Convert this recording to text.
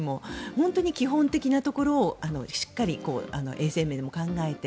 本当に基本的なところをしっかり衛生面も考えて。